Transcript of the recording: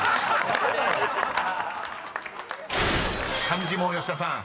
［漢字も吉田さん